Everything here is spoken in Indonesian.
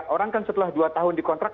orang kan setelah dua tahun dikontrak